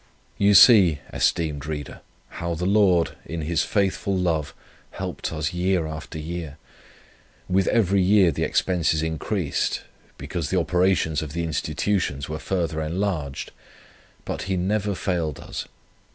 "You see, esteemed reader, how the Lord, in His faithful love helped us year after year. With every year the expenses increased, because the operations of the Institutions were further enlarged; but He never failed us.